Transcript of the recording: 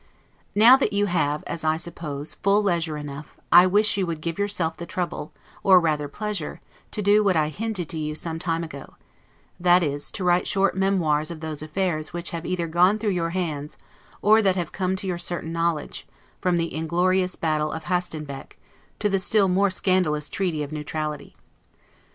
Now that you have (as I suppose) full leisure enough, I wish you would give yourself the trouble, or rather pleasure, to do what I hinted to you some time ago; that is, to write short memoirs of those affairs which have either gone through your hands, or that have come to your certain knowledge, from the inglorious battle of Hastenbeck, to the still more scandalous Treaty of Neutrality.